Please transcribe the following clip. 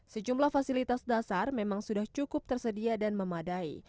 sejumlah fasilitas dasar memang sudah cukup tersedia dan memadai